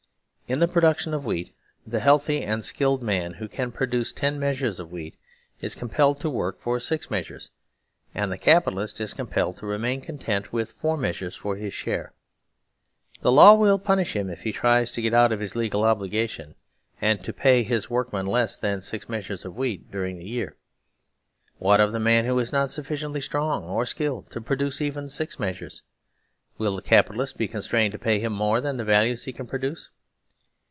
In the production of wheat the healthy and skilled man who can produce ten measures of wheat is compelled to work for six measures, and the Capitalist is compelled to remain content with four measures for his share. The law will punish him if he tries to get out of his legal obli gation and to pay his workmen less than six meas ures of wheat during the year. What of the man who is not sufficiently strong or skilled to produce even six measures ? Will the Capitalist be constrained to pay him more than the values he can produce